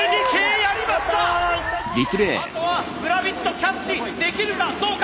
あとはグラビットキャッチできるかどうか！